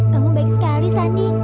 kamu baik sekali sandi